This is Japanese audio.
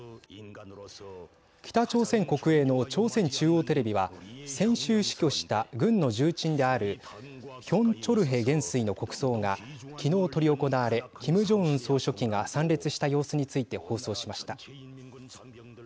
北朝鮮国営の朝鮮中央テレビは先週死去した軍の重鎮であるヒョン・チョルヘ元帥の国葬がきのう執り行われキム・ジョンウン総書記が参列した様子について放送しました。